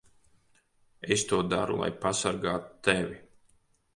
Es to daru, lai pasargātu tevi.